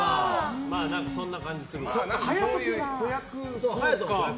そんな感じするわ。